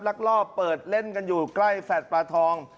ลักลอบเปิดเล่นกันอยู่ใกล้แฟลต์ปลาทอง